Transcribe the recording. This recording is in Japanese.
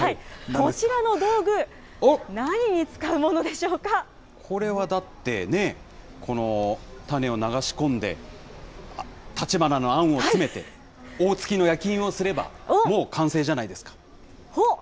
こちらの道具、何に使うものでしこれはだってね、このタネを流し込んで、たちばなのあんを詰めて、おおつきの焼き印をすれば、もう完成じゃないですか。